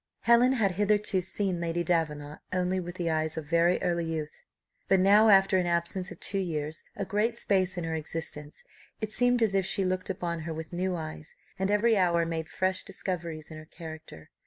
Helen had hitherto seen Lady Davenant only with the eyes of very early youth; but now, after an absence of two years a great space in her existence, it seemed as if she looked upon her with new eyes, and every hour made fresh discoveries in her character.